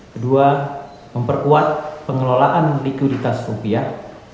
kedua memperkuat pengelolaan likuiditas rupiah